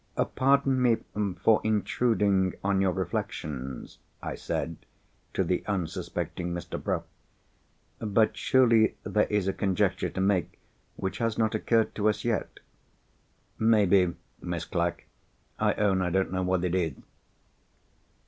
"Pardon me for intruding on your reflections," I said to the unsuspecting Mr. Bruff. "But surely there is a conjecture to make which has not occurred to us yet." "Maybe, Miss Clack. I own I don't know what it is."